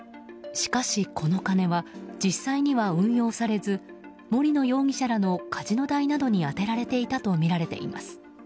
しかし、この金は実際には運用されず森野容疑者らのカジノ代などに充てられていたとみられています。